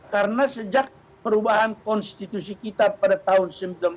karena sejak perubahan konstitusi kita pada tahun seribu sembilan ratus sembilan puluh sembilan